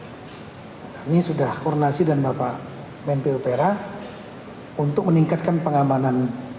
ini sudah kornasi dan bapak menteri opera untuk meningkatkan pengamanan